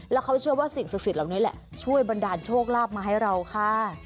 แล้วเขาเชื่อว่าสิ่งศักดิ์เหล่านี้แหละช่วยบันดาลโชคลาภมาให้เราค่ะ